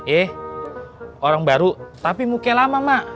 eh orang baru tapi muke lama mak